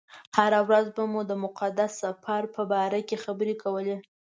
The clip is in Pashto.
هره ورځ به مو د مقدس سفر باره کې خبرې کولې.